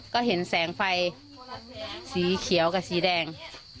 ก็เห็นแสงไฟสีเขียวกับสีแดง